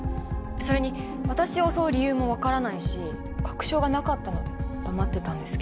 それに私を襲う理由も分からないし確証がなかったので黙ってたんですけど。